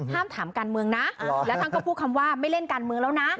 ถามการเมืองนะแล้วท่านก็พูดคำว่าไม่เล่นการเมืองแล้วนะ